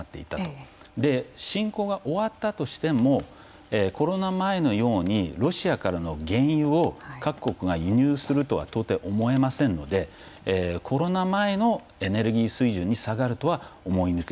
で侵攻が終わったとしてもコロナ前のようにロシアからの原油を各国が輸入するとは到底思えませんのでコロナ前のエネルギー水準に下がるとは思いにくい。